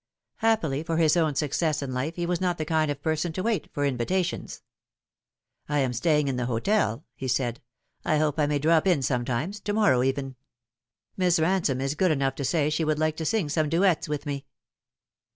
Happily for his own success in life, he was not the kind of person to wait for invitations. '' I am staying in the hotel," he said. " I hope I may drop in sometimes to morrow even. Miss Kansome is good enough to say she would like to sing some duets with me."